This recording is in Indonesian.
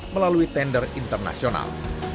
melalui tender internasional